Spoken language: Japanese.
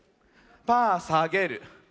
パーさげる。